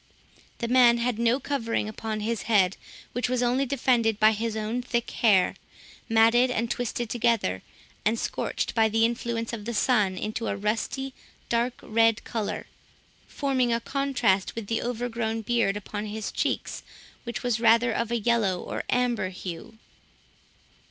The man had no covering upon his head, which was only defended by his own thick hair, matted and twisted together, and scorched by the influence of the sun into a rusty dark red colour, forming a contrast with the overgrown beard upon his cheeks, which was rather of a yellow or amber hue.